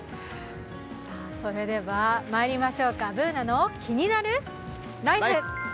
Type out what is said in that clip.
それではまいりましょうか、「ＢｏｏｎａのキニナルＬＩＦＥ」。